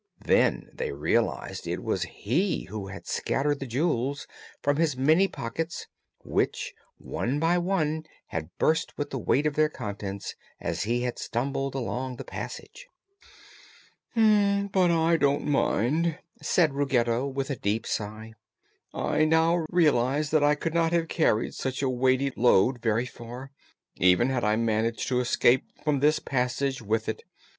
Then they realized it was he who had scattered the jewels, from his many pockets, which one by one had burst with the weight of their contents as he had stumbled along the passage. "But I don't mind," said Ruggedo, with a deep sigh. "I now realize that I could not have carried such a weighty load very far, even had I managed to escape from this passage with it.